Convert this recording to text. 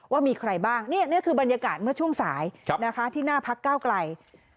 ว่ามีใครบ้างนี่คือบรรยากาศเมื่อช่วงสายที่หน้าพักก้าวไกล